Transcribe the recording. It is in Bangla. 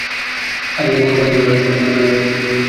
আগের দিন বরফ দিয়ে রাখা মাছ বের করে পানি দিয়ে ধোয়া হচ্ছে।